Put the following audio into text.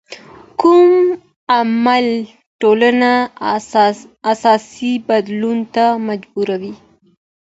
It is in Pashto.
کوم عامل ټولنه اساسي بدلون ته مجبوروي؟